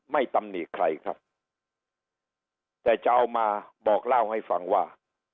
ตำหนิใครครับแต่จะเอามาบอกเล่าให้ฟังว่า